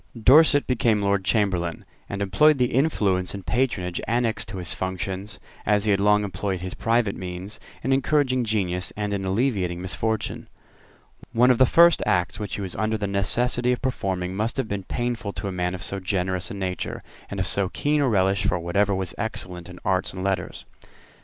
Dorset became Lord Chamberlain, and employed the influence and patronage annexed to his functions, as he had long employed his private means, in encouraging genius and in alleviating misfortune. One of the first acts which he was under the necessity of performing must have been painful to a man of so generous a nature, and of so keen a relish for whatever was excellent in arts and letters.